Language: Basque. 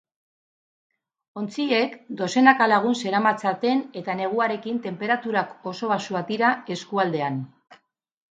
Ontziek dozenaka lagun zeramatzaten eta neguarekin tenperaturak oso baxuak dira eskualdean.